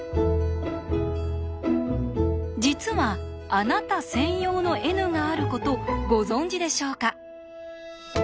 実はあなた専用のＮがあることご存じでしょうか？